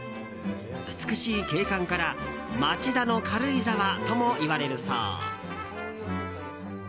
美しい景観から町田の軽井沢ともいわれるそう。